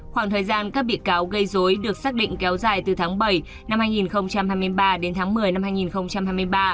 khoảng thời gian các bị cáo gây dối được xác định kéo dài từ tháng bảy năm hai nghìn hai mươi ba đến tháng một mươi năm hai nghìn hai mươi ba